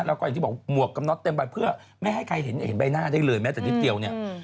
แล้วก็อย่างที่บอกหมวกกับน็อตเต็มใบเพื่อไม่ให้ใครเห็นใบหน้าได้เลยแม้แต่นิดเดียวเนี่ย